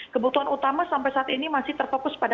kebutuhan utama sampai saat ini masih terfokus pada